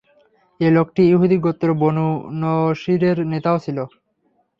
এ লোকটি ইহুদী গোত্র বনু নষীরের নেতাও ছিল।